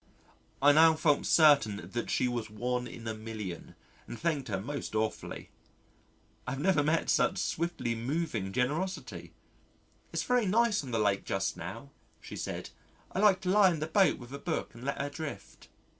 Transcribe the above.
I now felt certain that she was one in a million and thanked her most awfully. I have never met such swiftly moving generosity. "It's very nice on the Lake just now," she said. "I like to lie in the boat with a book and let her drift."